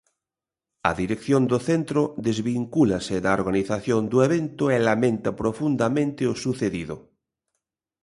A dirección do centro desvincúlase da organización do evento e lamenta profundamente o sucedido.